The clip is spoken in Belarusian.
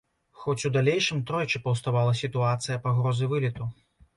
Хоць у далейшым тройчы паўставала сітуацыя пагрозы вылету.